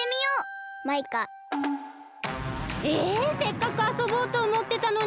せっかくあそぼうとおもってたのに！